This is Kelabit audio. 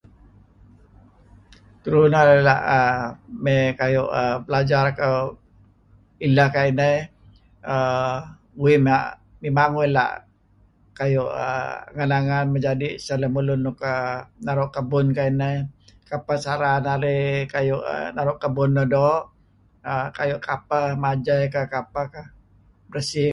Tulu narih la' mey kayu' belajar ileh kuayu' ineh err uih la' memang uih angan-angan naru' kebun kuayu' ineh, kapah cara narih naru' kebun luk doo' kapeh majah dih, kapeh narih bersih dih.